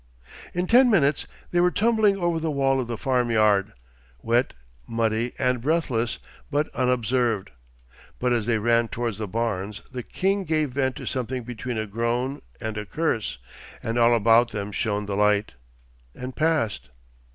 In ten minutes they were tumbling over the wall of the farm yard, wet, muddy, and breathless, but unobserved. But as they ran towards the barns the king gave vent to something between a groan and a curse, and all about them shone the light—and passed.